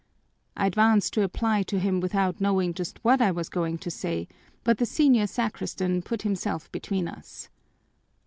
I advanced to reply to him without knowing just what I was going to say, but the senior sacristan put himself between us.